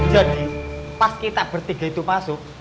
jadi pas kita bertiga itu masuk